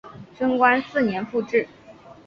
贞观四年复置。